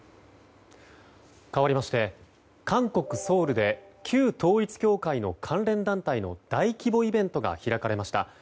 かわりまして韓国ソウルで旧統一教会の関連団体の大規模イベントが開かれました。